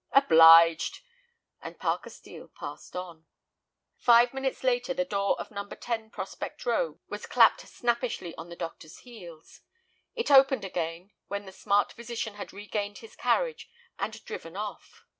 "Obliged," and Parker Steel passed on. Five minutes later the door of No. 10 Prospect Row was clapped snappishly on the doctor's heels. It opened again when the smart physician had regained his carriage and driven off.